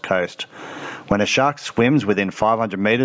saat sebuah shark berlari di dalam lima ratus meter